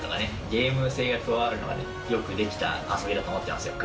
ゲーム性が加わるのがねよくできた遊びだと思ってますよ